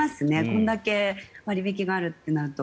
これだけ割引があるとなると。